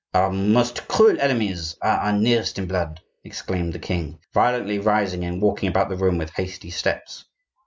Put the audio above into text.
"Our most cruel enemies are our nearest in blood!" exclaimed the king, violently, rising and walking about the room with hasty steps.